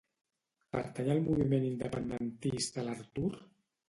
Pertany al moviment independentista l'Artur?